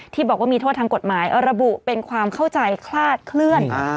ที่บอกว่ามีโทษทางกฎหมายระบุเป็นความเข้าใจคลาดเคลื่อน